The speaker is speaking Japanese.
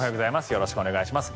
よろしくお願いします。